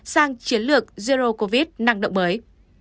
sang chiến lược zero covid năng động mới